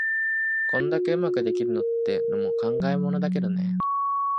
こんだけ上手くできるってのも考えものだけどね。